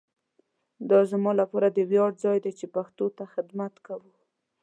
دا زما لپاره د ویاړ ځای دی چي پښتو ته خدمت کوؤم.